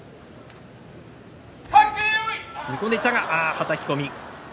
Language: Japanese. はたき込み。